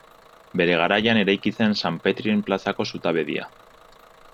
Bere garaian eraiki zen San Petriren plazako zutabedia.